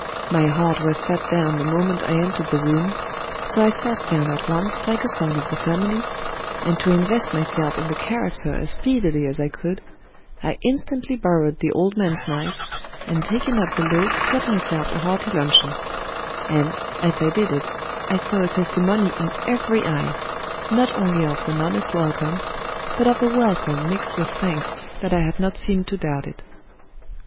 My heart was sat down the moment I entered the room, so I sat down 211 English Mystery Stories at once like a son of the family, and to invest myself in the character as speedily as I could, I instantly borrowed the old man's knife, and taking up the loaf cut myself a hearty luncheon; and, as I did it, I saw a testimony in every eye, not only of an honest welcome, but of a welcome mixed with thanks that I had not seemed to doubt it.